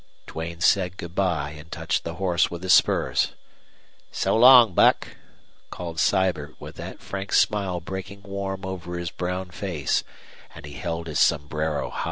Duane said good by and touched the horse with his spurs. "So long, Buck!" called Sibert, with that frank smile breaking warm over his brown face; and he held his sombrero high.